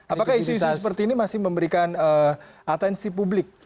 apakah isu isu seperti ini masih memberikan atensi publik